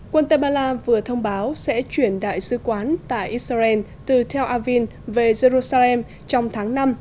guatemala vừa thông báo sẽ chuyển đại sứ quán tại israel từ tel aviv về jerusalem trong tháng năm